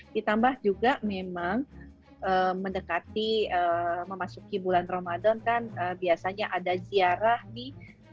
ditambah juga memang mendekati memasuki bulan ramadan kan biasanya ada ziarah nih